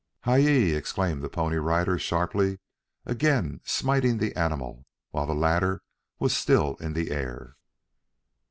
"Hi yi!" exclaimed the Pony Rider sharply, again smiting the animal while the latter was still in the air.